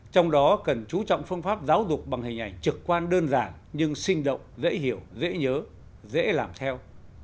trong đó cần chú trọng phương pháp giáo dục bằng hình ảnh trực quan đơn giản nhưng sinh động dễ hiểu dễ nhớ dễ làm theo